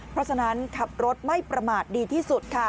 เพราะฉะนั้นขับรถไม่ประมาทดีที่สุดค่ะ